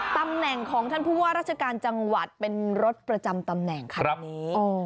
ตำแหน่งของท่านผู้ว่าราชการจังหวัดเป็นรถประจำตำแหน่งคันนี้